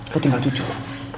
lo tinggal jujur